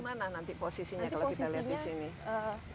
mana nanti posisinya kalau kita lihat di sini